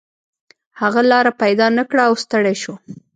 هغه لاره پیدا نه کړه او ستړی شو.